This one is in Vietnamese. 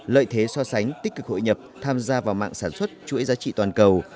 lợi thế so sánh tích cực hội nhập tham gia vào mạng sản xuất chuỗi giá trị toàn cầu